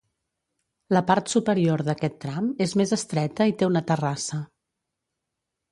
La part superior d'aquest tram és més estreta i té una terrassa.